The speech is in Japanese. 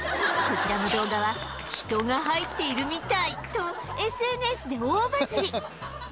こちらの動画は「人が入っているみたい」と ＳＮＳ で大バズり